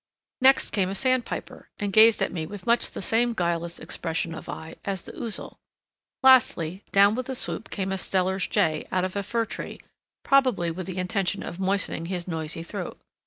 Next came a sandpiper and gazed at me with much the same guileless expression of eye as the Ouzel. Lastly, down with a swoop came a Steller's jay out of a fir tree, probably with the intention of moistening his noisy throat.